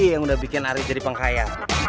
yang udah bikin arief jadi pengkaya